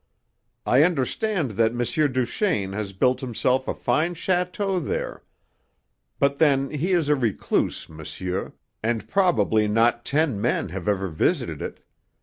I understand that M. Duchaine has built himself a fine château there; but then he is a recluse monsieur, and probably not ten men have ever visited it.